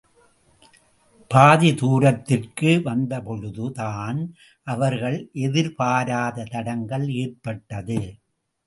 பாதி தூரத்திற்கு வந்தபொழுது தான் அவர்கள் எதிர்பாராத தடங்கல் ஏற்பட்டது.